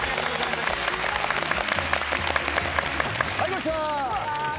こんにちは！